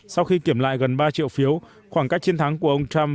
sau khi kiểm lại gần ba triệu phiếu khoảng cách chiến thắng của ông trump